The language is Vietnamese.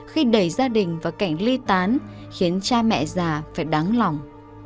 khi đẩy gia đình vào cảnh ly tán khiến cha mẹ già phải đáng lòng